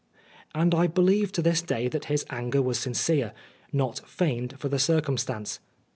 1 ' And I believe to this day that his anger was sincere, not feigned for the circumstance.